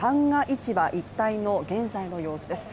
市場一帯の現在の様子です。